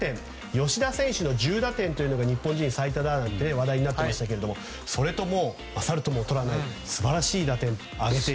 吉田選手の１０打点というのが日本人最多で話題になっていましたけどそれと勝るとも劣らない素晴らしい打点を挙げている。